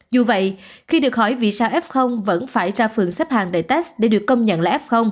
dù vậy khi được hỏi vì sao f vẫn phải ra phường xếp hàng đại test để được công nhận là f